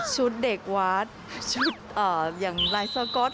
เด็กวัดชุดอย่างลายสก๊อต